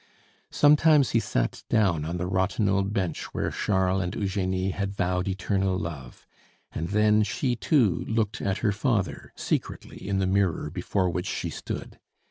Sometimes he sat down on the rotten old bench where Charles and Eugenie had vowed eternal love; and then she, too, looked at her father secretly in the mirror before which she stood.